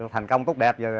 thành công tốt đẹp